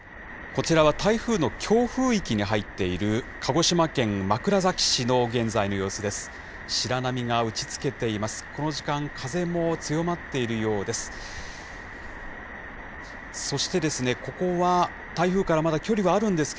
こちらは台風の強風域に入っている、鹿児島県枕崎市の現在の様子です。